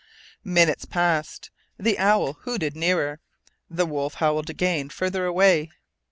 Minutes passed. The owl hooted nearer; the wolf howled again, farther away.